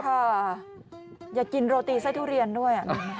ค่ะอยากกินโรตีไส้ทุเรียนด้วย